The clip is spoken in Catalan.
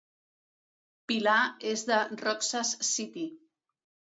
Pilar és de Roxas City.